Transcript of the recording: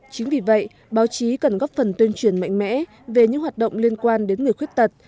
chính vì vậy báo chí cần góp phần tuyên truyền mạnh mẽ về những hoạt động liên quan đến người khuyết tật